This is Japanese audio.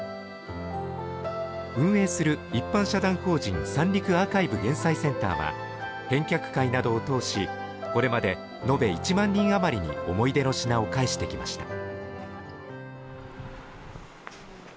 運営する一般社団法人三陸アーカイブ減災センターは、返却会などを通し、これまで延べ１万人余りに思い出の品を返してきました。